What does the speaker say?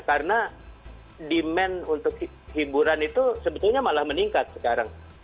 karena demand untuk hiburan itu sebetulnya malah meningkat sekarang